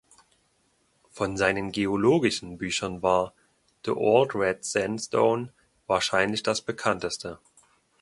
Von seinen geologischen Büchern war "The Old Red Sandstone" wahrscheinlich das bekannteste.